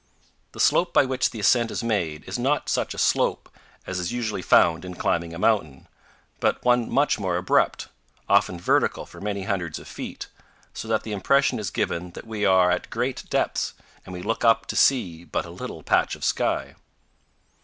The slope by which the ascent is made is not such a slope as is usually found in climbing a mountain, but one much more abrupt often vertical for many hundreds of feet, so that the impression is given that we are at great depths, and we look up to see but a little patch of sky.